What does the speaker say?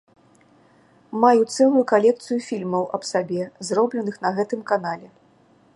Маю цэлую калекцыю фільмаў аб сабе, зробленых на гэтым канале.